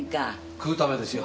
食うためですよ。